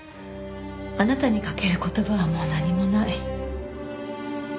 あなたにかける言葉はもう何もない。